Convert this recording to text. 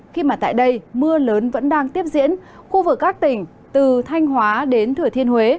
khi mà tại đây mưa lớn vẫn đang tiếp diễn khu vực các tỉnh từ thanh hóa đến thừa thiên huế